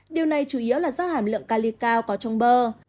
điều này chủ yếu là do hàm lượng cali cao có trong bơ